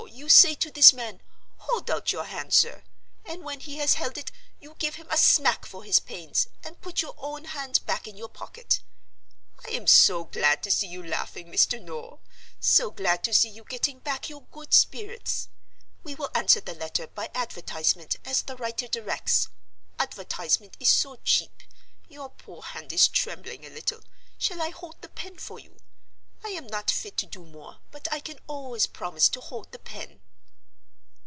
you say to this man: 'Hold out your hand, sir;' and when he has held it, you give him a smack for his pains, and put your own hand back in your pocket.—I am so glad to see you laughing, Mr. Noel! so glad to see you getting back your good spirits. We will answer the letter by advertisement, as the writer directs—advertisement is so cheap! Your poor hand is trembling a little—shall I hold the pen for you? I am not fit to do more; but I can always promise to hold the pen."